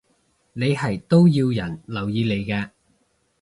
你係都要人留意你嘅